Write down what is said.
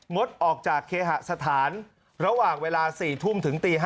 งดออกจากเคหสถานระหว่างเวลา๔ทุ่มถึงตี๕